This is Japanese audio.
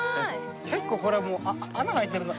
結構これもう穴が開いてるな。